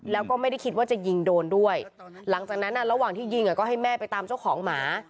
แล้วก็ไม่ได้คิดว่าจะยิงโดนด้วยหลังจากนั้นระหว่างที่ยิงก็ให้แม่ไปตามเจ้าของหมา